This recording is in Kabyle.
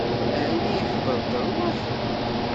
Ɛni iḥder-d rrwaḥ?